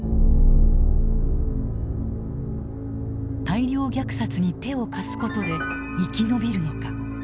大量虐殺に手を貸すことで生き延びるのか。